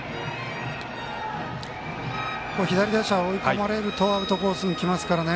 左打者、追い込まれるとアウトコースにきますからね。